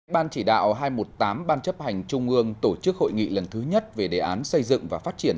ban chỉ đạo hai trăm một mươi tám ban chấp hành trung ương tổ chức hội nghị lần thứ nhất về đề án xây dựng và phát triển